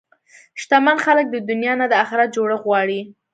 شتمن خلک د دنیا نه د اخرت جوړښت غواړي.